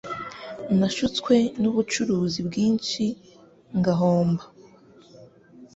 Nashutswe mubucuruzi bwinshi ngahomba